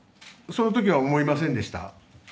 そのときは思いませんでした。